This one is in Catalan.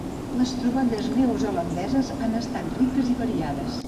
Les troballes neozelandeses han estat riques i variades.